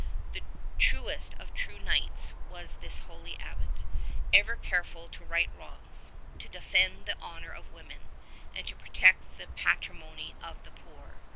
The truest of true knights was this holy abbot, ever careful to right wrongs, to defend the honour of women, and to protect the patrimony of the poor.